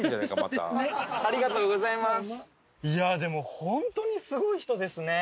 いやでも本当にすごい人ですね。